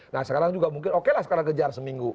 nah sekarang juga mungkin oke lah sekarang kejar seminggu